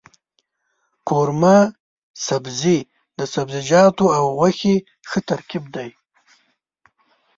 قورمه سبزي د سبزيجاتو او غوښې ښه ترکیب دی.